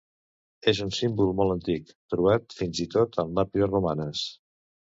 És un símbol molt antic, trobat fins i tot en làpides romanes.